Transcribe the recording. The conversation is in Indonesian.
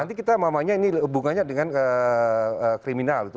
nanti kita namanya ini hubungannya dengan kriminal itu